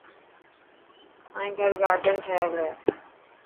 مائي گهري گارڊن ٺهيل هي.